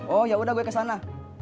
oh ya udah gue kesana